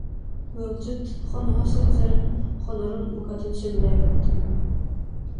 Ыалдьыт, хоноһо сылдьарын, хонорун букатын сөбүлээбэт үһү